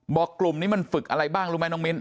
กลุ่มนี้มันฝึกอะไรบ้างรู้ไหมน้องมิ้น